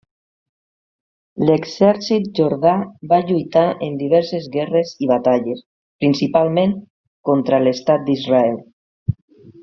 L'Exèrcit jordà va lluitar en diverses guerres i batalles, principalment contra l'estat d'Israel.